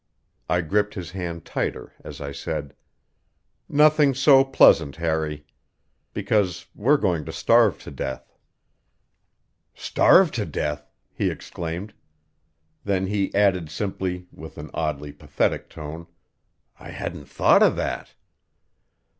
I gripped his hand tighter as I said: "Nothing so pleasant, Harry. Because we're going to starve to death." "Starve to death?" he exclaimed. Then he added simply, with an oddly pathetic tone: "I hadn't thought of that."